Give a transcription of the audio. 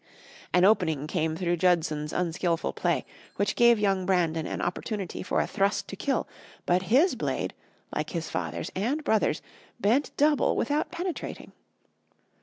An opening came through Judson's unskilful play, which gave young Brandon an opportunity for a thrust to kill, but his blade, like his father's and brother's, bent double without penetrating.